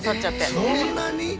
そんなに？